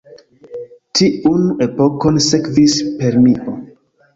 Tiun epokon sekvis Permio.